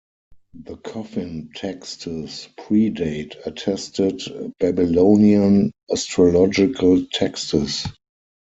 The coffin texts pre-date attested Babylonian astrological texts.